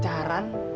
kalau orang pacaran